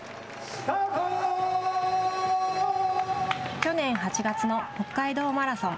去年８月の北海道マラソン。